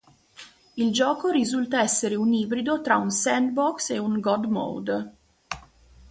Il gioco risulta essere un ibrido tra un Sandbox e un "god mode".